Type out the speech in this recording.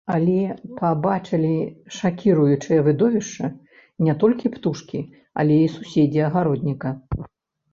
Але пабачылі шакіруючае відовішча не толькі птушкі, але і суседзі агародніка.